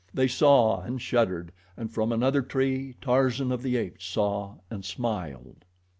They saw and shuddered, and from another tree Tarzan of the Apes saw and smiled.